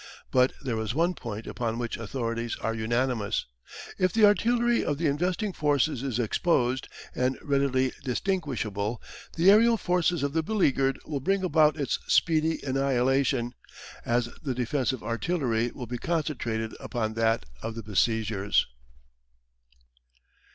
But there is one point upon which authorities are unanimous. If the artillery of the investing forces is exposed and readily distinguishable, the aerial forces of the beleaguered will bring about its speedy annihilation, as the defensive artillery will be concentrated upon that of the besiegers.